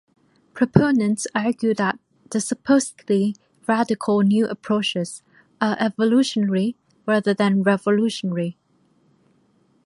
Proponents argue that the supposedly radical new approaches are evolutionary rather than revolutionary.